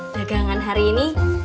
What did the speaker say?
dagangan hari ini